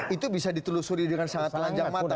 itu bisa ditelusuri dengan sangat telanjang mata